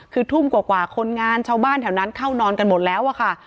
คือทุ่มกว่าคนงานชาวบ้านแถวนั้นเข้านอนกันหมดแล้วอะค่ะ